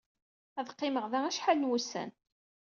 Ad qqimeɣ da acḥal n wussan.